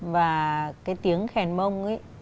và cái tiếng khèn mông